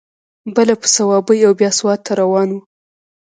بله په صوابۍ او بیا سوات ته روان و.